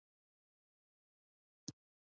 د پکتیا جلغوزي چیرته صادریږي؟